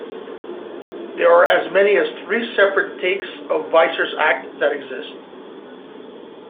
There are as many as three separate takes of Visser's act that exist.